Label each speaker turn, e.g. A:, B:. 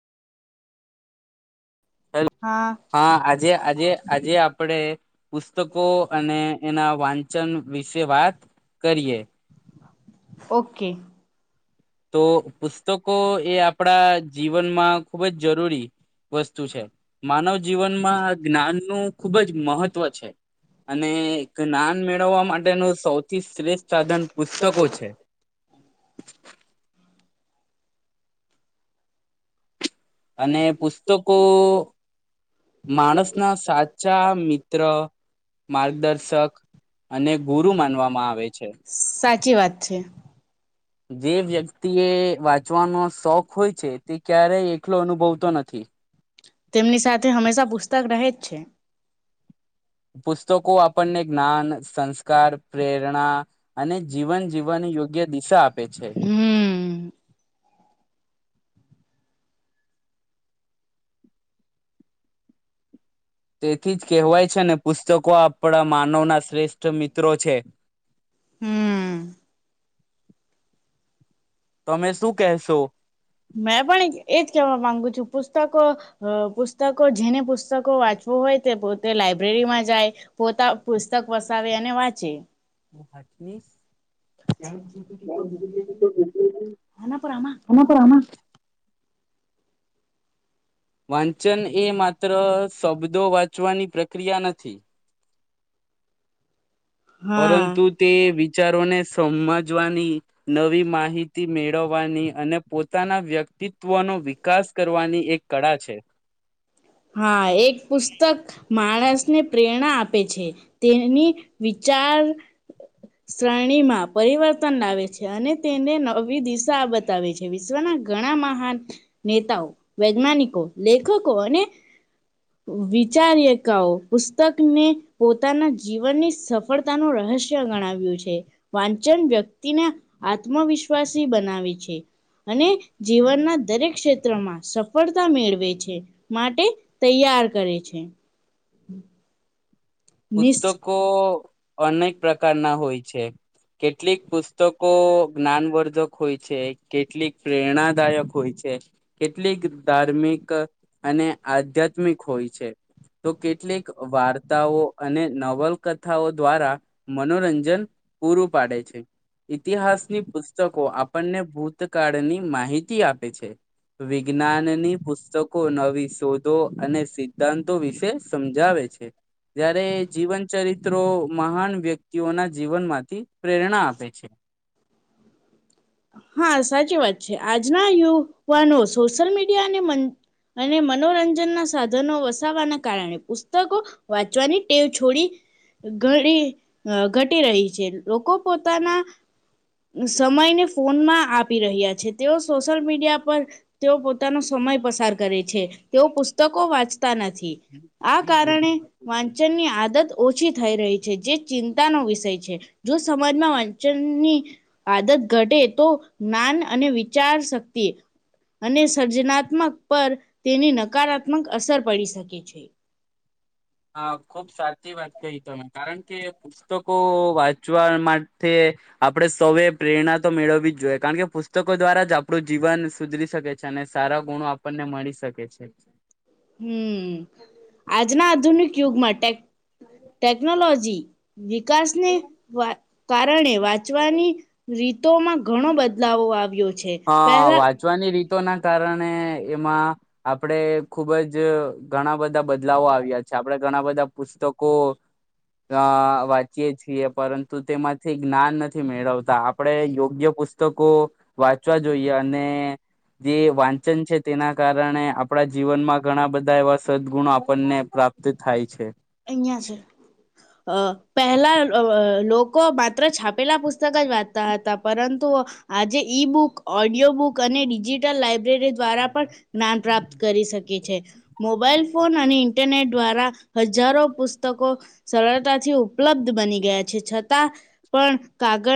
A: હા આજે આજે આજે ક આપડે પુસ્તકો અને એના વાંચ ન વિશે વાત કરીએ
B: ઓકે
A: તો પુસ્તકો એ આપણા જીવનમાં ખૂબ જ જરૂરી વસ્તુ છે માનવ જીવનમાં જ્ઞાનનુંું ખૂબ જ મહત્ત્વ છે અને જ્ઞાન મેળવવા માટેનું સૌથી શ્રેષ્ઠ સાધન પુસ્તકો છે
B: અને પુસ્તકો માણસના સાચા મિત્ર માર્ગદર્શક
A: અને
B: અનેોલ
A: ગુરુ માનવામાં આવે છે
B: સાચી વાત છે
A: જે વ્યક્તિ એ વાંચવાનો શોખ હોય છે તે ક્યારેય એકલો અનુભવતો નથી
B: તેમની સાથે હંમેશા પુસ્તક રહે જ છે
A: પુસ્તકો આપણને જ્ઞાન સંસ્કાર પ્રેરણા અને જીવન જીવવાનની યોગ્ય દિશા આપે છે
B: હમ
A: તેથી જ કહેવાય છે ને પુસ્તકો આપણા માનવના શ્રેષ્ઠ મિત્રો છે
B: હમ
A: તમે શું કહેશો
B: મે પણ એજ કેવા માંગુ છ પુસ્તકો પુસ્તકો જેને પુસ્તકો વાચવું હોય તે પોતે લાયબ્રેરીમાં જાય પોતા પુસ્તક વસાવે અને વાંચે
A: હાજમશ
B: આના પર આમાં
A: એના પરના વાંચન એ માત્ર શબ્દો વાંચવાની પ્રક્રિયા નથી
B: હા
A: પરંતુ તે વિચારોને સમજવાની નવી માહિતી મેળવવાની અને પોતાના વ્યક્તિત્વનો વિકાસ કરવાની એક કળા છે
B: હા એક પુસ્તક મા માણસને પ્રેરણા આપે છે તેની વિચાર શ્રેણીમાં પરિવર્તન લાવે છે અને તેને નવી દિશા બતાવે છે વિશ્વના ઘણા મહાન નેતાઓ વૈજ્ઞાનિકો લેખકો વિચારિકાઓ પુસ્તકને પોતાના જીવનની સફળતાનું રહસ્ય ગણાવ્યું છે વાંચન વ્યક્તિને આત્મવિશ્વાસી બનાવે છે અને જીવનના દરેક ક્ષેત્રમાં સફળતા મેળવે છે માટે તૈયાર કરે છે [inaudible] નિષ્
A: પુસ્તકો અનેક પ્રકારના હોય છે કેટલીક પુસ્તકો જ્ઞાનવર્ધક હોય છે કેટલીક પ્રેરણાદાયક હોય છે કેટલીક ધાર્મિક અને આધ્યાત્મિક હોય છે તો કેટલીક વાર્તાઓ અને નવલકથાઓ દ્વારા મનોરંજન પૂરું પાડે છે ઈતિહાસની પુસ્તકો આપણને ભૂતકાળની માહિતી આપે છે વિજ્ઞાનની પુસ્તકો નવી શોધો અને સિદ્ધાંતો વિશે સમજાવે છે જય્યારે જીવન ચરિત્રો મહાન વ્યક્તિઓના જીવન માંથી પ્રેરણા આપે છે
B: હા સાચી વાત છે આજના યુવાનો સોશિયલ મીડિયા અનેન અને મનોરંજનના સાધનો વસવાના કારણે પુસ્તકો વાંચવાની ટેવ છોડી ઘણી ઘટી રહી છે લોકો પોતાના સમયને ફોનમાં આપી રહ્યા છે તેઓ સોશિલ મીડિયા પર તેઓ પોતાનો સમય પસાર કરે છે તેઓ પુસ્તકો વાચ નથી આ કારણે વાંચનની આદત ઓછી થઈ રહી જે ચિંતાનોો વિષય છે જો સમાજમાં વંચનની આદત ઘટે તો જ્ઞાન અને વિચાર શક્તિ અને સર્જનાત્મક પર તેની નકારાત્મક અસર પડી શકે છે
A: હા ખુબ સાચી વાત કહી તમે કારણ કે પુસ્તકો વા પવા માટે આપણે સૌએ પ્રેરણા તો મેળવવી જ જોઈએ કારણ કે પુસ્તકો દ્વારા જ આપણું જીવન સુધરી શકે છે અને સારા ગુણો આપણને મળી શકે પ છે
B: હમ આજ ના આધુનિક ક્યુગમાંટે ટેકનોલોજી વિકાસ ને વાત કારણે વાંચવાની રીતો માં ઘણો બદલાવો આવ્યો છે
A: હા
B: પહેલા
A: વાંચવાની રીતે તો ના કારણે એમાં આપણેે ખુબ જ ઘણા બધા બદલાવો આવ્યા છે આપડણે ઘણા બધા પુસ્તકો અ વાંચીએ છીએ પરંતુ તેમાંથી જ્ઞાન નથી મેળવતા આપણે યોગ્ય પુસ્તકો વાંચવા જોઈએ અને જે વાંચન છે તેના કારણે આપણા જીવનમાં ઘણા બધા એવા સદગુણો આપણને પ્રાપ્ત થાય છે
B: અહીંયા છે. પહેલા લોકો માત્ર છાપેલા પુસ્તક જ વાંચતા હતા પરંતુ આજે ઈ બુક ઓડિયો બુક અને ડિજીિટલ લાઇબ્રેરી. [unintelligible] રી દ્વારા પણ જ્ઞાન પ્રાપ્ત કરી શકે છે. મોબાઈલ ફોન અને, ઇન્ટરનેટ દ્વારા હજુ. હજારો, પુસ્તકો સરળતા થી ઉપલબ્ધ બની ગયા. છે. છતાં પણ કાગળ. [unintelligible]